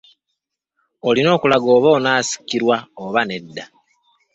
Olina okulaga oba onaasikirwa oba nedda.